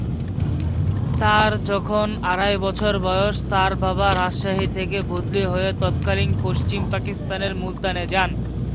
তার যখন আড়াই বছর বয়স তার বাবা রাজশাহী থেকে বদলি হয়ে তৎকালীন পশ্চিম পাকিস্তানের মুলতানে যান।